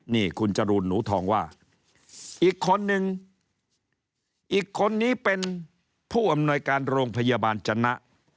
นี่คุณจรูนหนูทองว่าอีกคนนึงอีกคนนี้เป็นผู้อำนวยการโรงพยาบาลจนะ